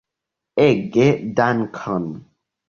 Ege dankon!